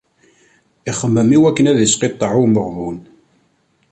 Ixemmem iwakken ad isqiṭṭeɛ i umeɣbun.